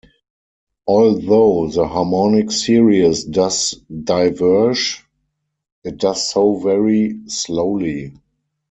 Although the harmonic series does diverge, it does so very slowly.